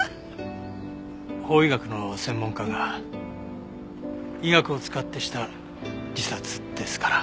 法医学の専門家が医学を使ってした自殺ですから。